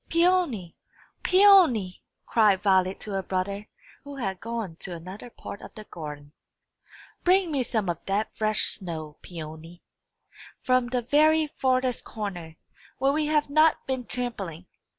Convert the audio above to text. "Peony, Peony!" cried Violet to her brother, who had gone to another part of the garden, "bring me some of that fresh snow, Peony, from the very farthest corner, where we have not been trampling.